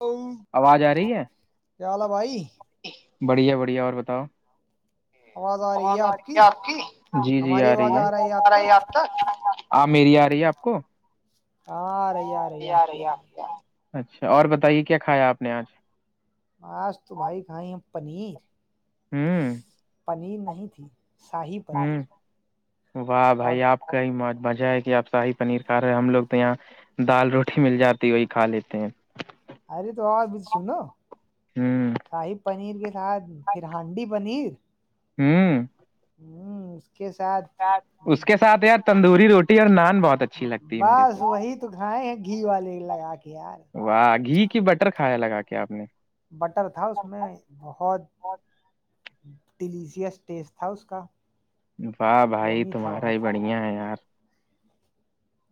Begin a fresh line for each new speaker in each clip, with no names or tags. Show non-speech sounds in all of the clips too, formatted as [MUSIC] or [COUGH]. Hello کیا حال ہے بھائی
بڑھیا بڑھیا اور بتاؤ آ رہی آپ کی جی جی آ رہی ہے رہا آپ [INAUDIBLE] آ میری آ رہی ہے آپ کو
ہاں
ی اچھا اور بتائیے کیا کھایا آپ نے آج
آس تو بھائی کھائی ہیں پنیر پنیر نہیں تھی شاہی پنیر اور
کئی مزہ ہے کہ آپ ساہب پنیر کھا رہے ہم لوگ تو یہاں دال روٹی مل جاتی ہے وہی کا لیتے ہیں
ارے تو آاز بج سو ن
ہاں
صاحب پنیر کے ساتھ پھر ہانڈی پنیر
ہوں
ہوں اس کے ساتھ بس وہی تو کھائے ہیں گھی والے لگا کے یار
واہ گھی کی بٹر کھایا لگا کے آپ نے
بٹر تھا اس میں بہت ڈیلیزیئس ٹیسٹ تھا اس کا
واہ بھائی تمہارا ہی بڑھیا ہے یار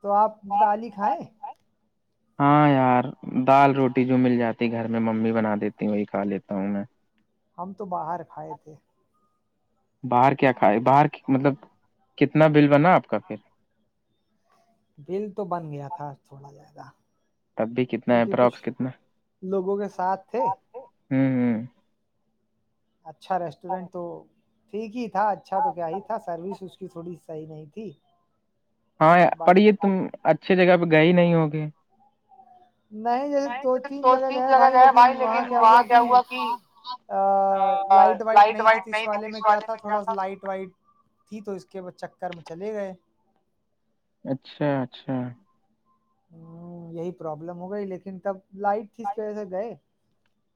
تو آپ دالی کھائیں
ہاں یار دال روٹی جو مل جاتی ہے گھر میں ممی بنا دیتی وہی کھا لیتا ہوں میں
ہم تو باہر کھائے تھے
باہر کیا کھائے باہر مطلب کتنا بل بنا آپ کا پھر
بل تو بن گیا تھا تھوڑا زیادا کیونکہ کچھ لوگوں کے ساتھ تھے
ہوں ہوں
اچھا ریسٹورینٹ تو ٹھیک ہی تھا اچھا تو کیا ہی تھا سروس اس کی تھوڑی صحیح نہیں تھی
ہاں یا پر یہ تم اچھی جگہ پہ گئے نہیں ہو گے
نہیں جیسے دو تین جگہ گئے بھائی لیکن وہاں کیا ہوا کہ آ لائٹ وائٹ نہیں تھی تہ اس والے میں کیا تھا تھوڑا سا لائٹ وائٹ تھی تو اس کے وہ چکر میں چلے گئے
اچھا اچھا
ہ یہی پرابلم ہو گئی لیکن تب لائٹ تھی اس کی وجہ سے گئے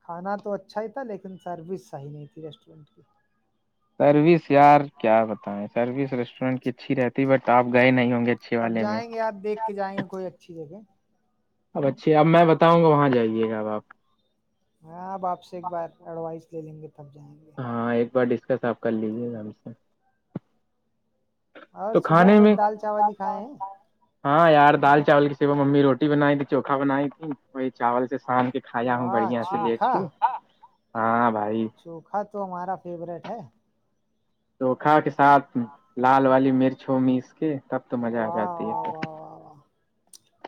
کھانا تو اچھا ہی تھا لیکن سروس صحیح نہیں تھی ریسٹورینٹ کی
سروس یار کیا بتائیں سروس ریسٹورینٹ کی اچھی رہت تی بٹ آپ گئے نہیں ہوں گے اچھی والے میں
کے جائیں کوئی اچھی جگہ
اب اچھی اب میں بتاؤں وہاں جائیےاب آپ
ہاں اب آپ سے ایک بار ایڈوائس لے لیں گے تب جائیں گے
ہاں ایک بار ڈسکس آپ کر لیجیے [INAUDIBLE]
اور صبح بس دال چاول بھی کھائے ہیں
ہاں یار دال چاول کی سیوا ممی روٹی بناائی تھی چوکھا بنائی تھی وہی چاول سے سان کے کھایا ہوں بڑھیا سے بیھ کے ہاں بھائی
چوکھا تو ہمارا فیوروریٹ ہے
چوکھا کے ساتھ لال والی مرچ ہو مس کے تب تو مزہ آ جاتی ہے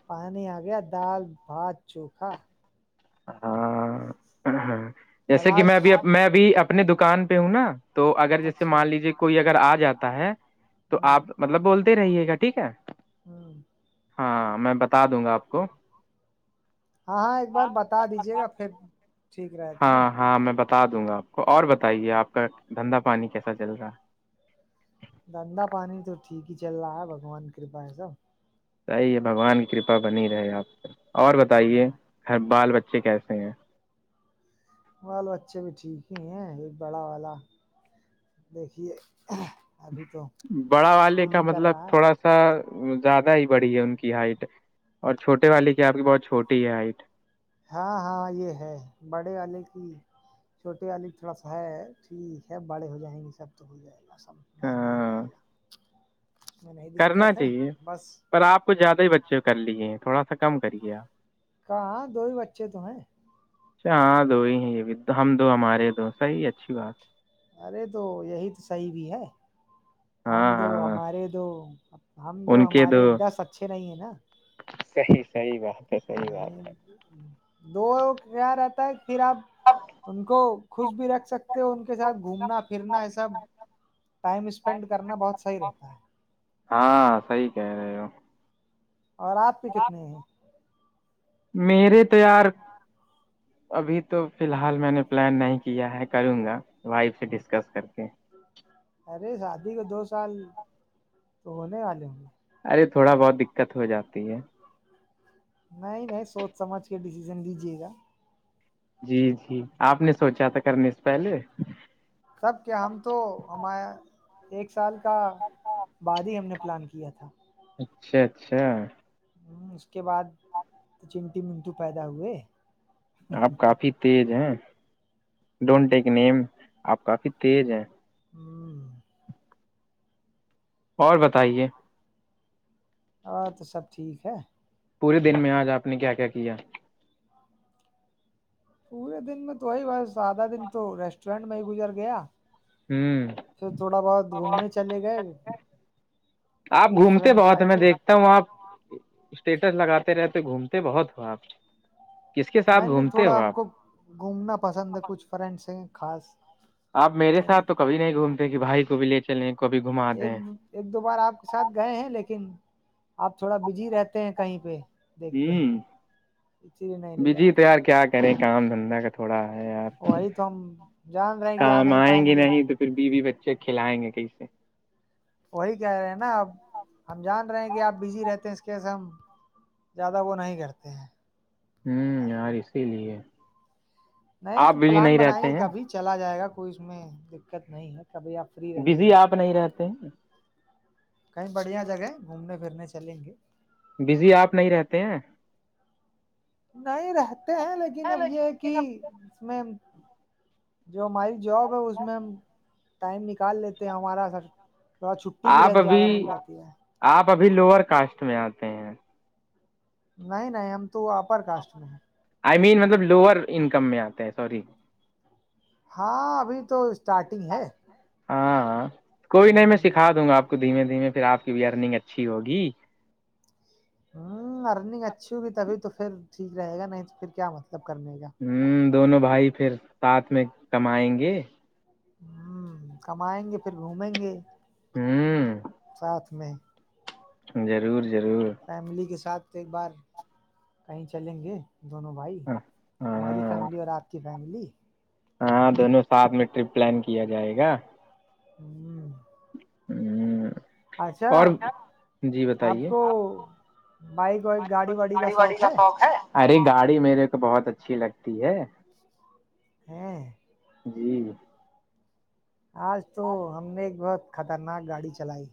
پانی آ گیا دال بھات چوکھا
ہاں ہاں جیسے کہ میں بھی اب میں بھی اپنے دکان پہ ہوں نا تو اگر جیسے مان لیجیے کوئی اگر آ جاتا ہے
[INAUDIBLE]
ہاں میں بتا دوں گا آپ کو
ہاں ہاں ایک بار بتا دیجیے گا پھر ٹھیک رہ
ہاں ہاں میں بتا دوں گا آپ کو اور بتائیے آپ کا دھندا پانی کیسا چل رہا ہے
دندا پانی تو ٹھیک ہی چل رہا ہے بگوان کی کرپا ہے سب
صحی یہ بھگوان کی کرپا بنی رہے آپ سے اور بتائیے بال بچے کیسے ہیں
وال بچے بھی ٹھیک ہی ہیں ایک بڑا والا دیکھیے
بڑا والے کا مطلب تھوڑا سا زیادہ ہی بڑی ہے ان کی ہائٹ اور چھوٹے والی کی آپ کی بہت چھوٹی ہے ہائٹ
ہاں ہاں یہ ہے بڑے والے کی چھوٹے والی تھوڑا سا ہے ٹھیک ہے بڑے ہو جائیں گے سب تو ہو جائے گا دقت ہے بس
چیک کر لیجے تھوڑا سا
کہاںاں دو ہی بچے تو ہیں
اچھا ہاں دو ہی ہیں یہ بھی ہم دو ہمارے دو صحیح ہے اچھی بات ہے
ارے تو یہی صحیح بھی ہے ہم دو ہمارے دو ہم دو ہمارے دس اچھے نہیں ہیں نا
صحیح صحی بات
دو یہاں رہتا ہے پھر آپ ان کو خوش بھی رکھ سکتے ہو ان کے ساتھ گھومنا پھرنا یہ سب ٹائم اسپینڈ کرنا بہت صحیح رہتا ہے
ہاں صحیح کہہ رہے
اور آپ بھی کتنے ہیں
میرے تو یار ابھی تو فی الحال میں نے پلان نہیں کیا ہے کروں گا وائف سے ڈسکس کر کے
ارے شادی کو دو سال تو ہونے والے ہوں گے
ارے تھوڑا بہت دقت ہو جاتی ہے
نہیں نہیں سوچ سمجھ کے ڈسیزن دیجے گا
جی جی آپ نے سوچا تھا کرنے سے پہلے
سب کہ ہم تو ہمار ایک سال کا بعد ہی ہم نے پلان کیا تھا
اچھا اچھا
اس کے بعد چنٹی منٹو پیدا ہوئے
آپ کافی تیز ہیں ڈونٹ ٹیک نیم آپ کافی تیز ہیں اور بتائیے
اور تو سب ٹھیک ہے
پورے دن میں آج آپ نے کیا کیا کیا
پورے دن میں تو وہی بس آدہ دن تو ریسٹورینٹ میں ہی گزر گیا
ہوں
پھر تھوڑا بہت گھومنے چلے گئے
آپ گھومتے بہت میں دیکھ تا ہ آپ اسٹیٹس لگاتے رہتے گھومتے بہت ہو آپ کس کے ساتھ گھومتے ہو آپ
گھومنا پسند ہے کچھ فرینڈس ہیں خاص
آپ میرے ساتھ تو کبھی نہیں گھومتے کہ بھائی کو بھی لے چلیں کبھی گھما دیں
ایک دو بار آپ کے ساتھ گئے ہیں لیکن آپ تھوڑا بزی رہتے ہیں کہیں پہ دیکھتے ہیں
ب جی تو یار کیا کریں کام دھندا کا تھوڑا ہے یار کام آئیں گے نہیں تو پھر بیو بچے کھلائیں گے کہیں سے
وہی کہہ رہے ہیں نا اب ہم جان رہے ہیں کہ آپ بزی رہتے ہیں اس کیسے ہم زیادہ وہ نہیں کرتے ہیں
ہوں یار اسی لیے آپ بزی نہیں رہتے ہیں
چلا جائے گا کوئی اس میں دقت نہیں ہے کبھی آپ
بزی آپ نہیں رہتے ہیں
کئی بڑھیا جگہیں گھومنے پھرنے چلیں گے
بزی آپ نہیں رہتے ہیں
نہیں رہتے ہیں لیکن اب یہ کہ اس مم جو ہماری جاب ہے اس میں ہم ٹائم نکال لیتے ہیں ہمارا سر تھوڑا چھٹی بھی رہت زیادہ مل جاتی ہے
آپ ابھی لوور کاسٹ میں آتے ہیں
نہیں نہیں ہم تو اپر کاسٹ میں ہیں
آئی مین مطلب لوور انکم میں آتا ہے سوری
ہاں ابھی تو اسٹارٹنگ ہے
ہاں کوئی نہیں میں سکھا دوں گا آپ کو دھیمے دھیمے پھر آپ کی بھی ارننگ اچھی ہوگی
ہوں ارننگ اچھی ہوگی تبھی تو پھر ٹھیک رہے گا نہیں تو پھر کیا مطلب کرنے کا
ہوں دونوں بھائی پھر ساتھ میں کمائیں گے
ہ کمائیں گے پھر گھومیں گے
ہوں
ساتھ میں
ضرور ضرور
فیملی کے ساتھ ایک بار کہیں چلیں گے دونوں بھائی ہماری فیملی اور آپ کی فیملی
ہاں دونوں ساتھ میں ٹرپ پلان کیا جائے گا
ہوں
ہ اور جی بتائیے ب گاڑی واڑی کا شوق ہے ارے گاڑی میرے کو بہت اچھی لگتی ہے
ہاں
جی
آج تو ہم نے ایک بہت خطرناک گاڑی چلائی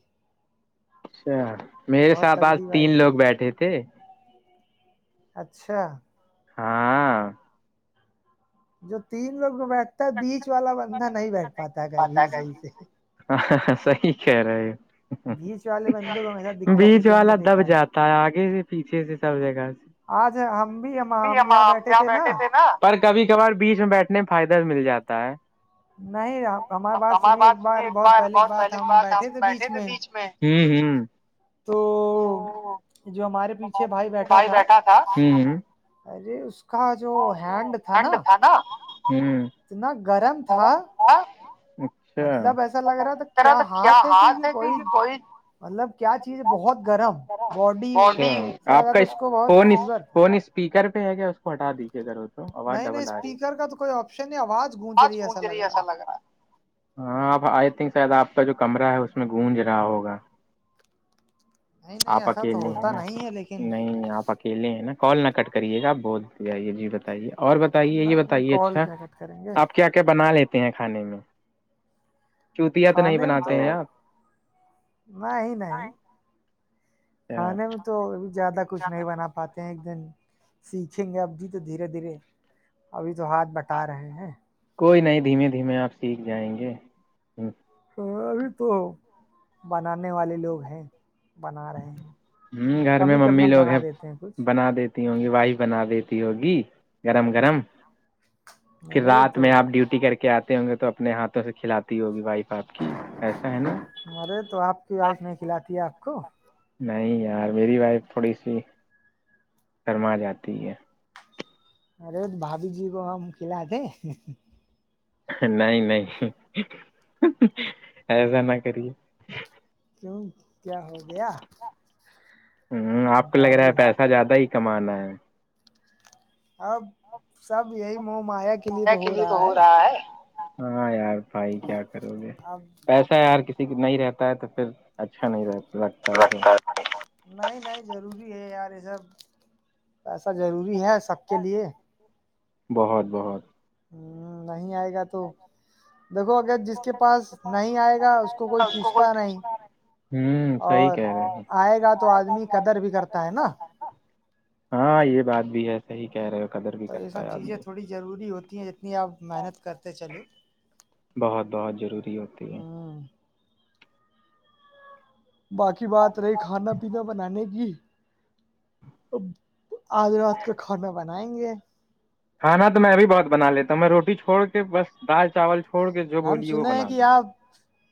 اچھا میرے ساتھ آج تین لوگ بیٹھے تھے
اچھا
ہاں
جو تین لوگ کو بیٹھتا ہے بیچ والا بندھا نہیں بیٹھ پاتا ہے کہیں بھی صحیح سے
ہاں صحی کہہ رہے ہے بیچ والا دب جاتا ہے آگے سے پیچھے سے سب جگہ سے
آج ہم بھی ہم یہاں بیٹھے تھے نا
پر کبھی کبھار بیچ میں بیٹھنے میں فائدہ مل جاتا ہے
نہیں آپ ہماری بات سنی ایک بار بہت پہلے کے بات ہم بیٹھے تھے بیچ میں تو جو ہمارے پیچھے بھائی بیٹھا تھا ارے اس کا جو ہینڈ تھا نا اتنا گرم
بر ہاں [UNINTELLIGIBLE] اچھارح کیا ہاتھ ہے کہ کوئی
مطلب کیا چیز ہے بہت گرم باڈی سا لگا تھا اس کو بہت فیور تھا
اسپیکر پہ ہے گیا اس کو ہٹاجیے گر
نہیں نہیں اسپیکر کا تو کوئی آپشن ہی آواز
آج گھوچ رہیے ایسا لگ رہا ہے ہاں آپ آئی تھنک شاید آپ کا جو کمرہ ہے اس میں گونج رہا ہوگا آپ اکیلے ہیں نا نہیں آپ اکیل اکیلے ہیں نا کال نہ کٹ کریے گا آپ بتے جئیے جی بتائیے اور بتائیے یہ بتائیے اچھا آپ کیا کیا بنا لیتے ہیں کھانے میں چوتیاں تو نہیں بناتے ہیں آپ
نہیں نہیں کھانے میں تو ا زیادہ کچھ نہیں بنا پات ہیں ایک دن سیکھیں گے اب جی تو دھیرے دھیرے ابھی تو ہاتھ بٹ بتا رہے ہیں
کوئی نہیں دھیمے دھیمے آپ سیکھ جائیں گے
ابھی تو بنانے والے لوگ ہیں بنا رہے ہیں کبھی کبھی بنا دیتے ہیں کچھ
ہوں گی وائی بنا دیتی ہوگی گرم گرم پھر رات میں آپ ڈیوٹی کر کے آتے ہوں گے تو اپنے ہاتھوں سے کھلاتے ہوگی وائف آپ کی ایسا ہے نا
مرے تو آپ کی وائف نہیں کھلاتی ہے آپ کو
نہیں یار میری وائف تھوڑی سی شرما جاتی ہے
ارے تو بھابھی جی کو ہم کھلا دے
نہیں نہیں ایسا نہ کریے
کیوں کیا ہو گیا؟
ہوں آپ کو لگ رہا ہے پیسہ زیادہ ہی کمانا ہے
اب سب یہی مہمایا کے لیے تو ہو رہا ہے
ہاں یار بھائی کیا کرو گے پیسہ یار کسی کا نہیں رہتا ہے تو پھر اچھا نہیں رگتا ہے پھر
نہیں نہیں ضروری ہے یار یہ سب پیسہ ضروری ہے سب کے لیے
بہت بہت
ہ نہیں آئے گا تو تو دیکھو اگر جس کے پاس نہیں آئے گا اس کو کوئی پوچھتا نہیں اور آئے گا تو آدمی قدر بھی کرتا ہے نا
ہاں یہ بات بھی ہے صحی کہہ رہے ہو قدر
تو یہ سب چیزیں تھوڑی ضروری ہوتی ہیں جتنی آپ محنت کرتے چلو
بہت بہت ضروری ہوتی ہے
باقی بات رہی کھانا پینا بنانے کی آد رات کے گھر میں بنائیں گے
کھانا تو میں ابھی بہت بنا لیتا ہوں میں روٹی چھوڑ کے بس دال چاول
ہم سنے ہیں کہ آپ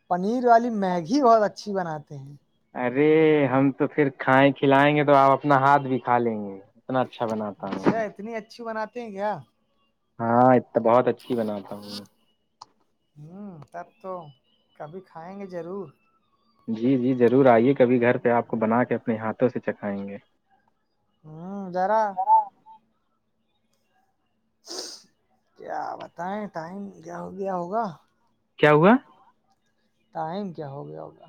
پنیر والی میگی بہت اچھی بناتے ہیں
ارے ہم تو پھر کھائیں کھلائیں گے تو آپ اپنا ہاتھ بھی کھا لیں گے اتنا اچھا بناتا ہے
اتنی اچھی بناتے ہیں کیا
ہاں تو بہت اچھی بناتا ہوں
ہوں تب تو کبھی کھائیں گے ضرور
جی جی ضرور آئیے کبھی گھر پہ آپ کو بنا کے اپنے ہاتھوں سے چکھائیں گے
ہوں جذرا کیا بتائیں ٹائم کیا ہو گیا ہوگا
کیا ہوا
ٹائم کیا ہو گیا ہوگیا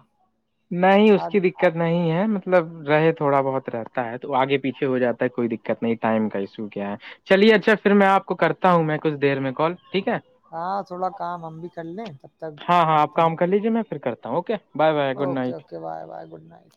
نہیں اس کی د دقت نہیں ہے مطلب رہے تھوڑا بہت رہتا ہے تو آگے پیچھے ہو جاتا ہے کوئی دقت دقت نہیں ٹائم کا ایشو کیا ہے چلیے اچھا پھر میں آپ کو کرتا ہوں میں کچھ دیر میں کال ٹھیک ہے
ہاں تھوڑا کام ہم بھی کر لیں
ہاں ہاں آپ کام کر لیجیے میں پھر کرتا ہوں okay
okay okay bye bye good night